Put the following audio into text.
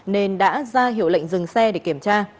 nên đã ra hiệu lệnh dừng xe để kiểm tra